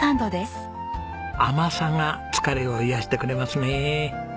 甘さが疲れを癒やしてくれますね。